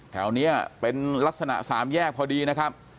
แถวนี้เป็นลักษณะสามแยกพอดีนะครับ